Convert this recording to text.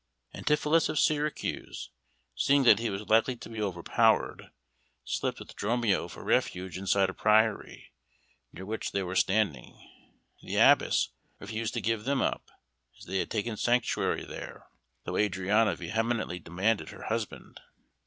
Antipholus of Syracuse, seeing that he was likely to be overpowered, slipped with Dromio for refuge inside a Priory, near which they were standing. The Abbess refused to give them up, as they had taken sanctuary there, though Adriana vehemently demanded her husband.